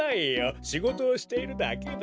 しごとをしているだけだ。